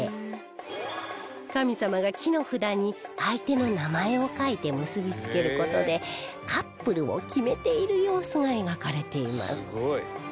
神様が木の札に相手の名前を書いて結びつける事でカップルを決めている様子が描かれています